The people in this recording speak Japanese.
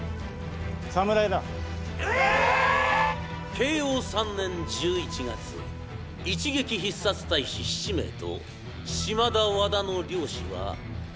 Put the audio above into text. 慶応３年１１月一撃必殺隊士７名と島田、和田の両氏は薩摩